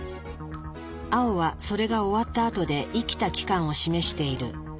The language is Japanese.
青はそれが終わったあとで生きた期間を示している。